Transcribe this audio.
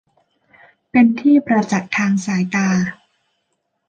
เป็นที่ประจักษ์ทางสายตา